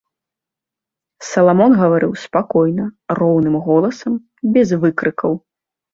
Саламон гаварыў спакойна, роўным голасам, без выкрыкаў.